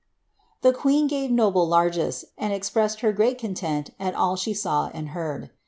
The queen gave noble largess, and expressed her great content at il. she saw and heard.